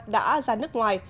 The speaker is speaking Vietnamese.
đã ra nước ngoài